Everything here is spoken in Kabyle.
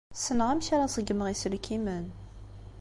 Ssneɣ amek ara ṣeggmeɣ iselkimen.